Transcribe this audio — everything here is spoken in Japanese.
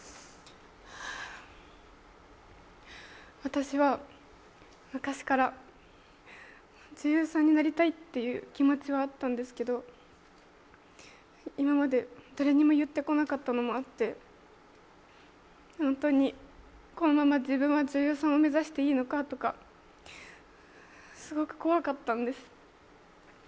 私は昔から女優さんになりたいという気持ちはあったんですけど、今まで誰にも言ってこなかったのもあって、本当に、このまま自分は女優さんを目指していいのかとかすごく怖かったんです。